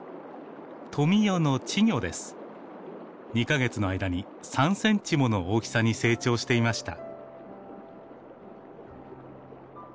２か月の間に３センチもの大きさに成長していました。